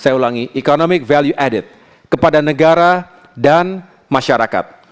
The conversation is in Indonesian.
saya ulangi economic value added kepada negara dan masyarakat